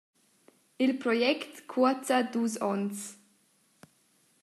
Il project cuoza dus onns.